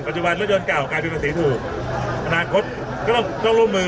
จุบันรถยนต์เก่ากลายเป็นภาษีถูกอนาคตก็ต้องต้องร่วมมือ